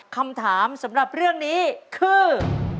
คำถามสำหรับเรื่องนี้คือ